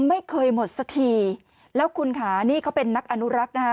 ไม่เคยหมดสักทีแล้วคุณค่ะนี่เขาเป็นนักอนุรักษ์นะคะ